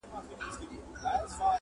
ماچي سکروټي په غاښو چیچلې!